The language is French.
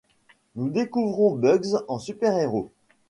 Nous découvrons Bugs en super héros.